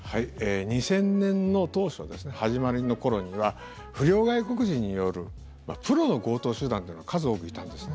２０００年の当初ですね始まりの頃には不良外国人によるプロの強盗集団っていうのが数多くいたんですね。